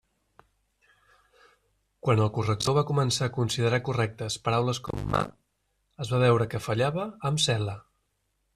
Quan el corrector va començar a considerar correctes paraules com “mà”, es va veure que fallava amb “cel·la”.